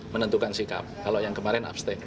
menentukan sikap kalau yang kemarin abstain